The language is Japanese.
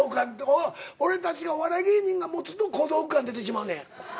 俺たちお笑い芸人が持つと小道具感出てしまうねん。